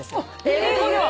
英語では。